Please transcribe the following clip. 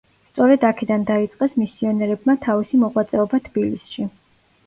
სწორედ აქედან დაიწყეს მისიონერებმა თავისი მოღვაწეობა თბილისში.